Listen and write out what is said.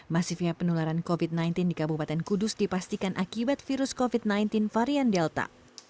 masifnya penularan covid sembilan belas di kabupaten kudus dipastikan akibat virus covid sembilan belas varian delta